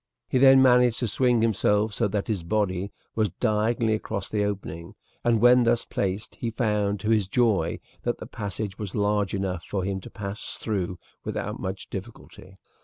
He then managed to swing himself so that his body was diagonally across the opening, and when thus placed he found to his joy that the passage was large enough for him to pass through without much difficulty.